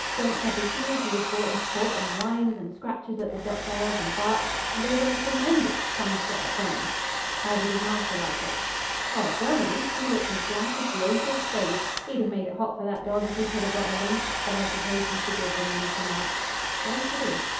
Jumps up as soon as he was brought into court, and whines and scratches at the dock rails and barks, and goes on tremenjus, trying to get at Brummy.' 'How did his master like it?' 'Oh! Brummy? He looked as black as the ace of spades. He'd have made it hot for that dorg if he could ha' got at him. But I suppose he forgived him when he came out.' 'Why should he?'